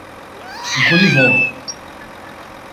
Encolha os ombros